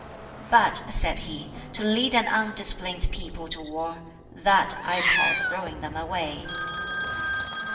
But, said he, "To lead an undisciplined people to war that I call throwing them away."